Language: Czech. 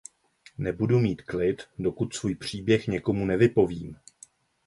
Nebudu mít klid, dokud svůj příběh někomu nevypovím.